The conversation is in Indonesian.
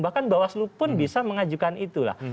bahkan bawaslu pun bisa mengajukan itulah